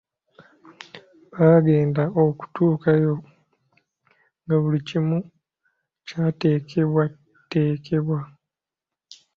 Baagenda okutuukayo nga buli kimu kyatekebwatekebwa.